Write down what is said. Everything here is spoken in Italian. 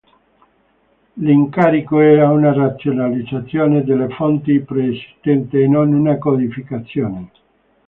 L'incarico era una razionalizzazione delle fonti preesistenti, e non una codificazione.